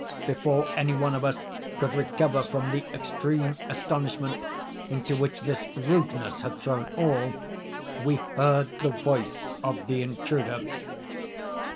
Before any one of us could recover from the extreme astonishment into which this rudeness had thrown all, we heard the voice of the intruder.